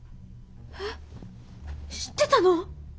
えっ知ってたの！？